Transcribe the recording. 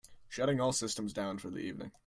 Shutting all systems down for the evening.